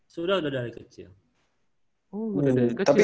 sudah udah dari kecil